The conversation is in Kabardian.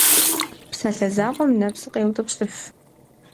Псалъэ закъуэм нэпсыр къеутӏыпщыф.